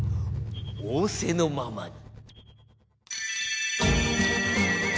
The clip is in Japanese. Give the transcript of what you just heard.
おおせのままに。